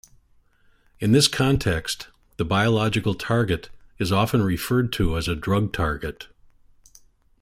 In this context, the biological target is often referred to as a drug target.